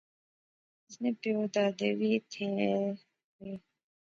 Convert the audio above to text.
اس نے پیو دادے وی ایتھیں ایہہ رہے